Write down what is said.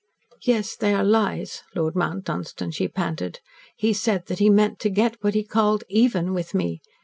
"Yes, they are lies, Lord Mount Dunstan," she panted. "He said that he meant to get what he called 'even' with me.